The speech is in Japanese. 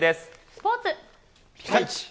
スポーツ。